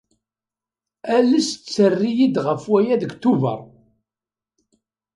Ales tter-iyi-d ɣef waya deg Tubeṛ.